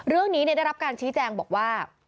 เรื่องนี้ได้รับการชี้แจงบอกว่า